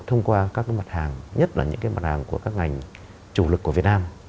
thông qua các mặt hàng nhất là những mặt hàng của các ngành chủ lực của việt nam